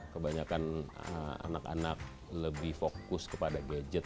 kebanyakan anak anak lebih fokus kepada gadget